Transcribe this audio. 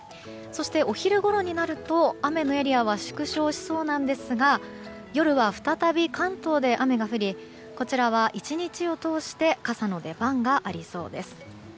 そしてお昼ごろになると雨のエリアは縮小しそうなんですが夜は再び関東で雨が降りこちらは１日を通して傘の出番がありそうです。